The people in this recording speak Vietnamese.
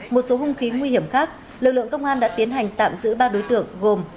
một số hung khí nguy hiểm khác lực lượng công an đã tiến hành tạm giữ ba đối tượng gồm